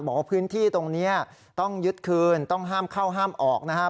บอกว่าพื้นที่ตรงนี้ต้องยึดคืนต้องห้ามเข้าห้ามออกนะครับ